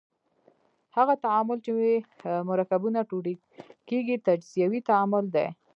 هغه تعامل چې مرکبونه ټوټه کیږي تجزیوي تعامل دی.